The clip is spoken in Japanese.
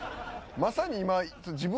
まさに今。